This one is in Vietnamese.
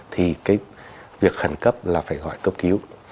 thì cái việc khẩn cấp là phải gọi cấp cứu